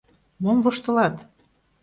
Мом воштылат?